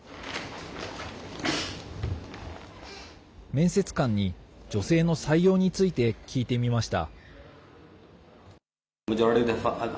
面接官に女性の採用について聞いてみました。